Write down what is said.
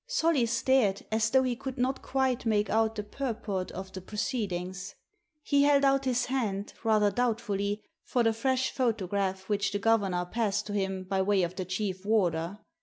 Solly stared, as though he could not quite make out the purport of the proceedings. He held out his hand, rather doubtfully, for the fresh photograph which the governor passed to him by way of the chief warder.